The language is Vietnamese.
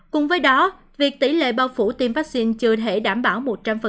cùng với đó việc tỷ lệ bao phủ tiêm vaccine chưa thể đảm bảo một trăm linh